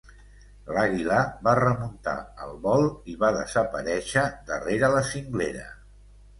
L'àguila va remuntar el vol i va desaparèixer darrere la cinglera.